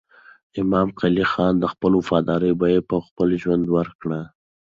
امام قلي خان د خپلې وفادارۍ بیه په خپل ژوند ورکړه.